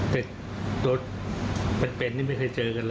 แต่ตัวเป็นนี่ไม่เคยเจอกันเลย